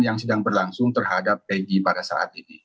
yang sedang berlangsung terhadap teddy pada saat ini